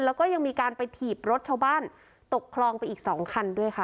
แล้วก็ยังมีการไปถีบรถชาวบ้านตกคลองไปอีกสองคันด้วยค่ะ